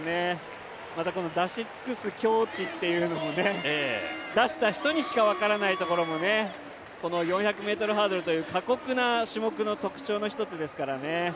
出し尽くす境地というのも、出した人にしか分からないところもこの４００ｍハードルという過酷な種目の特徴の１つですからね。